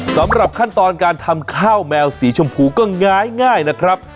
สำหรับขั้นตอนการทำข้าวแมวสีชมพูก็ง้ายนะครับ